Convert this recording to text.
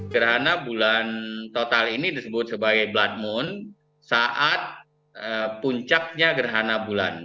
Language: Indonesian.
gerhana bulan total ini disebut sebagai blood moon saat puncaknya gerhana bulan